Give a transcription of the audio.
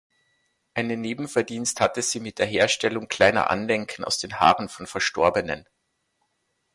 Einen Nebenverdienst hatte sie mit der Herstellung kleiner Andenken aus den Haaren von Verstorbenen.